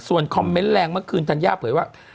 ส่วนคอมเมนต์แรงเมื่อคืนธัญญาเผยว่า